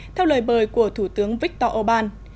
theo lời bời của thủ tướng viktor orbán